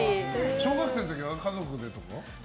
小学生の時は家族でとか？